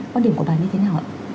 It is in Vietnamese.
con điểm của tổng đài như thế nào ạ